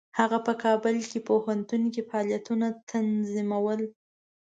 هغه په کابل پوهنتون کې فعالیتونه تنظیمول.